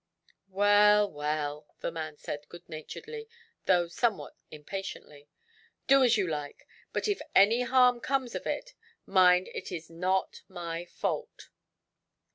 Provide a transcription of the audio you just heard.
"Well, well," the man said good naturedly, though somewhat impatiently, "do as you like; but if any harm comes of it, mind it is not my fault."